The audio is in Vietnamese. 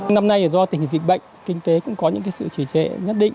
năm nay do tình hình dịch bệnh kinh tế cũng có những sự chỉ trệ nhất định